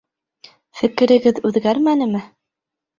Фекерегеҙ үҙгәрмәнеме?